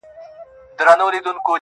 سر په سجدې نه راځي، عقل په توبې نه راځي~